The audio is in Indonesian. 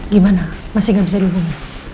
gimana masih gak bisa dihubungi